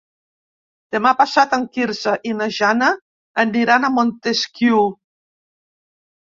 Demà passat en Quirze i na Jana aniran a Montesquiu.